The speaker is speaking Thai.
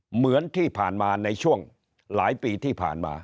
เหมือนที่ผ่านมาในช่วงหลายปีที่ผ่านมา